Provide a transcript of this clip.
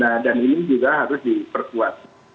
nah dan ini juga harus diperkuat